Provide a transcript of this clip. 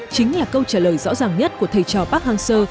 chính là câu trả lời rõ ràng nhất của thầy trò park hang seo